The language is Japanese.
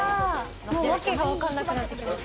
訳がわからなくなってきました。